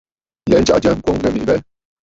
Yɛ̀ʼɛ̀ ntsaʼà jya ŋkwòŋ ŋghɛ mèʼê abɛɛ.